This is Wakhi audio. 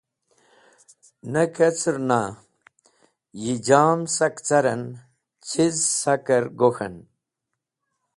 Ne keceren a yi ja’m sak caren, chiz saker gok̃hen?